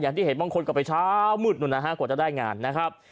อย่างที่เห็นบ้างคนก็ไปเช้ามืดกว่าจะได้งานนะครับ